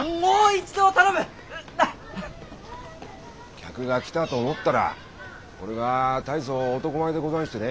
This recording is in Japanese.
客が来たと思ったらこれが大層男前でござんしてね。